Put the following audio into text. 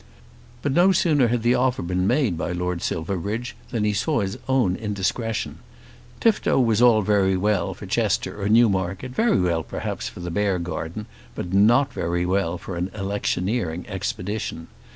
But no sooner had the offer been made by Lord Silverbridge than he saw his own indiscretion. Tifto was very well for Chester or Newmarket, very well perhaps for the Beargarden, but not very well for an electioneering expedition.